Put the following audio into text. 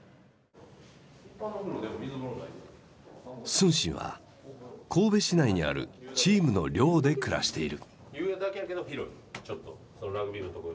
承信は神戸市内にあるチームの寮で暮らしている。